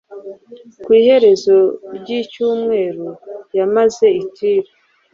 Ku iherezo ry’icyumweru yamaze i Tiro,